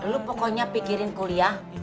lu pokoknya pikirin kuliah